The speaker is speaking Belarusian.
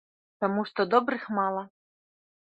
Таму што добрых мала.